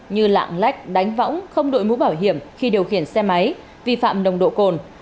như lạng lách đánh võng không đội mũ bảo hiểm khi điều khiển xe máy vi phạm nồng độ cồn